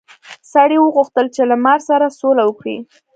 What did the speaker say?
سړي وغوښتل چې له مار سره سوله وکړي.